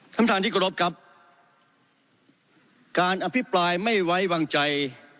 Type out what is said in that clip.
ท่านประธานที่กรบครับการอภิปรายไม่ไว้วางใจ